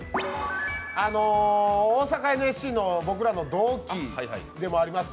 大阪ＮＳＣの僕らの同期でもあります